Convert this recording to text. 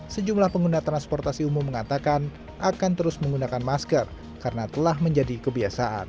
sejumlah pengguna transportasi umum mengatakan akan terus menggunakan masker karena telah menjadi kebiasaan